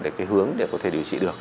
để cái hướng để có thể điều trị được